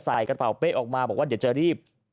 ใส่กระเป๋าเป๊ะออกมาบอกว่าเดี๋ยวจะรีบ